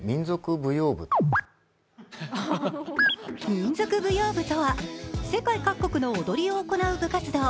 民族舞踊部とは、世界各国の踊りを行う部活動。